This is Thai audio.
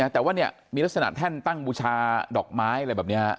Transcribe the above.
แต่ว่าเนี่ยมีลักษณะแท่นตั้งบูชาดอกไม้อะไรแบบนี้